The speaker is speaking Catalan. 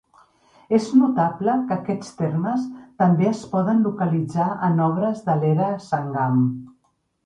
És notable que aquests termes també es poden localitzar en obres de l'era Sangam.